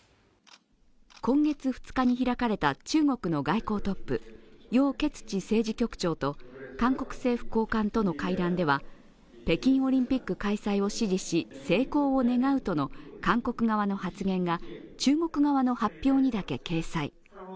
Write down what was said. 今月２日に開かれた中国の外交トップ、楊潔チ政治局員と韓国政府高官との会談では北京オリンピック開催を支持し成功を願うとの韓国側の発言が中国側の発表にだけ掲載。